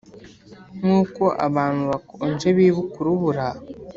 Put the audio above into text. nkuko abantu bakonje bibuka urubura--